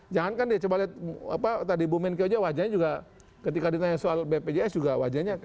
jangan kan coba lihat tadi ibu menkewaja wajahnya juga ketika ditanya soal bpjs juga wajahnya